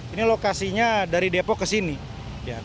ini lokasinya dari depok ke sini